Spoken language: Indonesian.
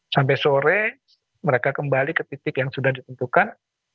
sampai sore mereka kembali ke titik yang sudah ditentukan